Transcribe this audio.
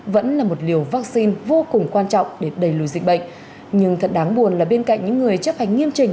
vẫn là một liều vaccine vô cùng quan trọng để đẩy lùi dịch bệnh nhưng thật đáng buồn là bên cạnh những người chấp hành nghiêm trình